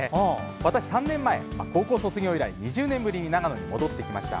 私、３年前、高校卒業以来２０年ぶりに長野に戻ってきました。